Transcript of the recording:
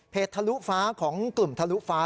ทะลุฟ้าของกลุ่มทะลุฟ้า